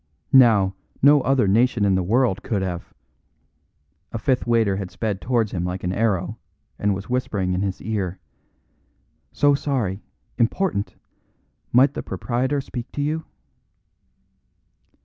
Now, no other nation in the world could have " A fifth waiter had sped towards him like an arrow, and was whispering in his ear: "So sorry. Important! Might the proprietor speak to you?"